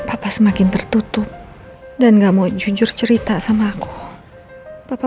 apa semakin tertutup dan gak mau jujur cerita sama aku papa